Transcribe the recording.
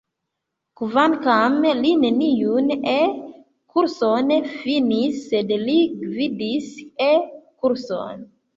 Kvankam li neniun E-kurson finis, sed li gvidis E-kurson.